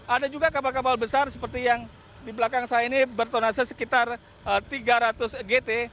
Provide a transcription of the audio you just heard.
ada juga kapal kapal besar seperti yang di belakang saya ini bertonase sekitar tiga ratus gt